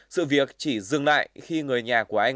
sự việc chỉ dừng lại khi người nhà của anh